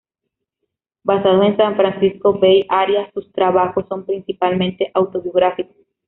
Basados en San Francisco Bay Area, sus trabajos son principalmente autobiográficos.